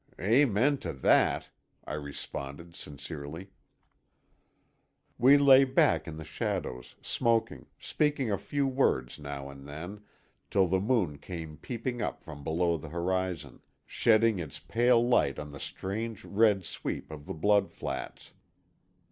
"Amen to that," I responded sincerely. We lay back in the shadows, smoking, speaking a few words now and then, till the moon came peeping up from below the horizon, shedding its pale light on the strange, red sweep of the Blood Flats.